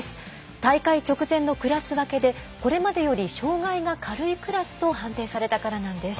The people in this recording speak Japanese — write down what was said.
大会直前のクラス分けでこれまでより障がいが軽いクラスと判定されたからなんです。